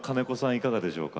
いかがでしょうか？